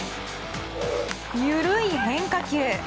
緩い変化球。